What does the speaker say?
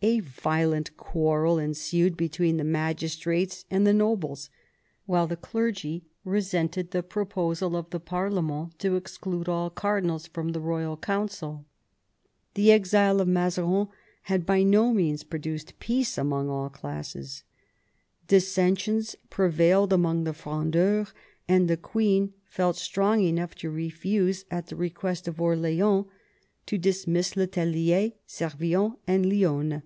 A violent quarrel ensued between the magistrates and the nobles, while the clergy resented the proposal of the parlement to exclude all cardinals from the royal council. The exile of Mazarin had by no means produced peace among all classes. Dissensions prevailed among the Frondeurs, and the queen felt strong enough to refuse, at the request of Orleans, to dismiss le Tellier, Servien, and Lionne.